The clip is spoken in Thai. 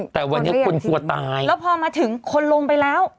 แต่วันนี้คนกลัวตายแล้วพอมาถึงคนลงไปแล้ว